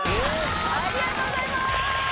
ありがとうございます！